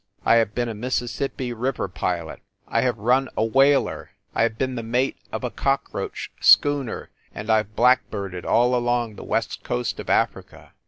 I have been a Mississippi River pilot, I have run a whaler. I have been the mate of a cockroach schooner and I ve blackbirded all along the west coast of Africa.